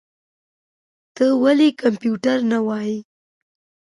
ته ولي کمپيوټر نه وايې؟